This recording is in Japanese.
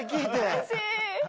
うれしい。